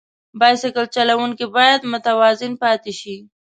بایسکل چلوونکی باید متوازن پاتې شي.